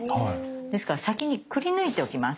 ですから先にくりぬいておきます。